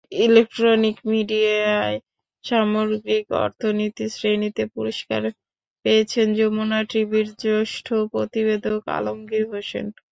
Electronic মিডিয়ায় সামগ্রিক অর্থনীতি শ্রেণিতে পুরস্কার পেয়েছেন যমুনা টিভির জ্যেষ্ঠ প্রতিবেদক আলমগীর হোসেন।